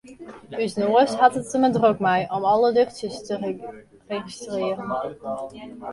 Us noas hat it der mar drok mei om alle luchtsjes te registrearjen.